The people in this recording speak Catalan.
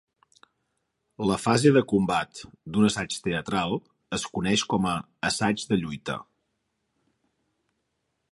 La fase de combat d'un assaig teatral es coneix com a "assaig de lluita".